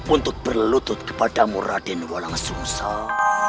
untuk berlutut kepadamu raden walang sumsel